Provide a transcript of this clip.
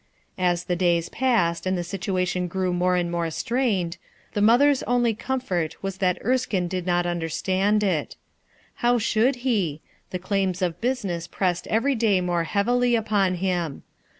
As the days passed and the situation grew more and more strained, the mother's only comfort was that Erskine did not understand it. How should he ? The claims of business pressed every day more heavily upon him.